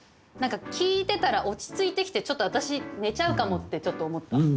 何か聴いてたら落ち着いてきてちょっと私寝ちゃうかもってちょっと思った。